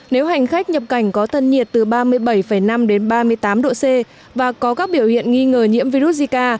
nếu hành khách nhập cảnh có thân nhiệt từ ba mươi bảy năm đến ba mươi tám độ c và có các biểu hiện nghi ngờ nhiễm virus zika